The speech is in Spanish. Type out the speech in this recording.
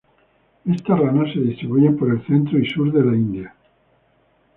Estas ranas se distribuyen por el centro y sur de la India.